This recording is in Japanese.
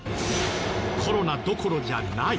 コロナどころじゃない。